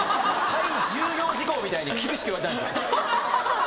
最重要事項みたいに厳しく言われたんですよ。